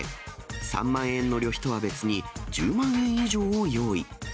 ３万円の旅費とは別に、１０万円以上を用意。